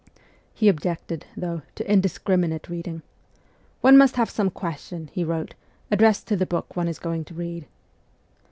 He objected, though, to indiscriminate reading. ' One must have some question,' he wrote, ' addressed to the book one is going to read.'